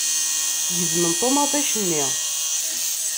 Gezmen ṭumaṭic-nni.